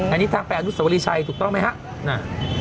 อันนี้ทางแปดุสวริชัยถูกต้องไหมฮะ